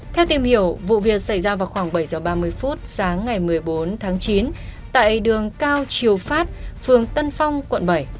theo tìm hiểu vụ việc xảy ra vào khoảng bảy h ba mươi phút sáng ngày một mươi bốn tháng chín tại đường cao chiều phát phường tân phong quận bảy